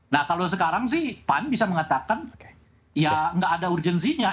nah kalau sekarang sih pan bisa mengatakan ya nggak ada urgensinya